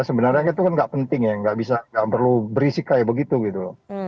sebenarnya itu kan nggak penting ya nggak perlu berisik kayak begitu gitu